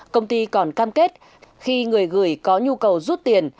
công ty còn cam kết khi người gửi có nhu cầu rút tiền